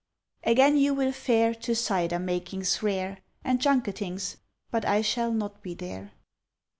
Again you will fare To cider makings rare, And junketings; but I shall not be there.